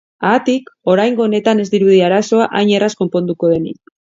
Haatik, oraingo honetan ez dirudi arazoa hain erraz konponduko denik.